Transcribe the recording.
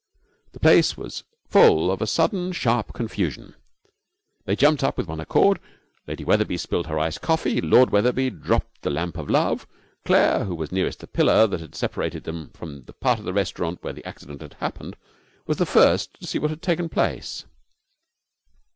The place was full of a sudden, sharp confusion. They jumped up with one accord. Lady Wetherby spilled her iced coffee; Lord Wetherby dropped the lamp of love. Claire, who was nearest the pillar that separated them from the part of the restaurant where the accident had happened, was the first to see what had taken place.